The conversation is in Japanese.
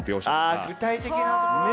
あ具体的なところだね。